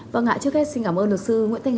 vâng ạ trước kết xin cảm ơn luật sư nguyễn thanh văn